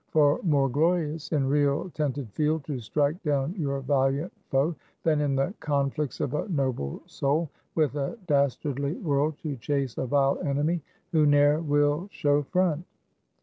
For more glorious in real tented field to strike down your valiant foe, than in the conflicts of a noble soul with a dastardly world to chase a vile enemy who ne'er will show front.